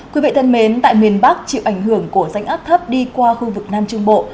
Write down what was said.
quý vị thân mến tại miền bắc chịu ảnh hưởng của rãnh áp thấp đi qua khu vực nam trung bộ